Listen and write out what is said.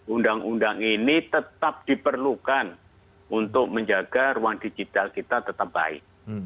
undang undang ini tetap diperlukan untuk menjaga ruang digital kita tetap baik